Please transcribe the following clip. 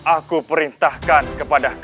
aku perintahkan kepada kalian